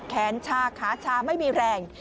แค้นชาค้าชาไม่มีแรง